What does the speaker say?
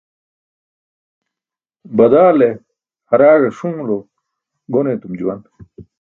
Badaale haraaẏ ṣuṅulo gon eetum juwan.